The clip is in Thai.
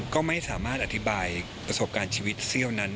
ก็ไม่สามารถอธิบายประสบการณ์ชีวิตเซี่ยวนั้น